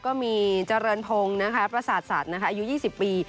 ก็มีเจริญพงศ์นะครับประสาทศาสตร์นะคะอายุยี่สิบปี